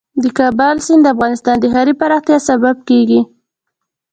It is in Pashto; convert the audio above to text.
د کابل سیند د افغانستان د ښاري پراختیا سبب کېږي.